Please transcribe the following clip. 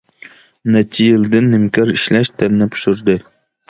نەچچە يىلدىن نىمكار ئىشلەش تەننى پىشۇردى.